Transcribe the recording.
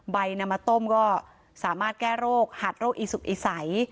นำมาต้มก็สามารถแก้โรคหัดโรคอีสุกอีใส